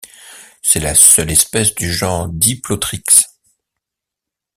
C'est la seule espèce du genre Diplothrix.